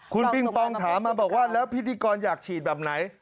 คุณปิงปองถามมาบอกว่าแล้วพิธีกรอยากฉีดแบบไหน